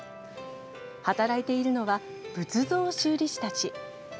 働いているのは、仏像修理師たち。